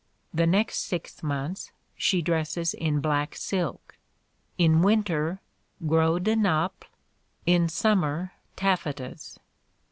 The next six months, she dresses in black silk; in winter, gros de Naples; in summer, taffetas.